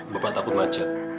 bapak takut macet